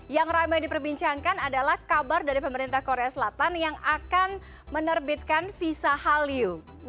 yang ramai diperbincangkan adalah kabar dari pemerintah korea selatan yang akan menerbitkan visa hallyu